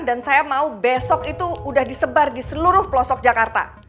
dan saya mau besok itu sudah disebar di seluruh pelosok jakarta